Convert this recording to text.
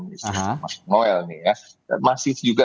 mas noel nih ya masih juga